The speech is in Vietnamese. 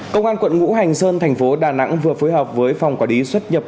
công an quận ngũ hành sơn thành phố đà nẵng vừa phối hợp với phòng quản lý xuất nhập